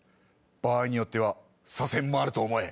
場合によっては左遷もあると思え。